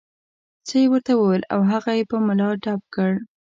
څه یې ورته وویل او هغه یې په ملا ډب کړ.